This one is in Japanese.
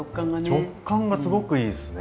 食感がすごくいいですね。